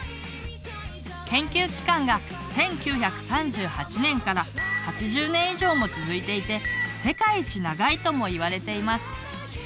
研究期間が１９３８年から８０年以上も続いていて世界一長いとも言われています。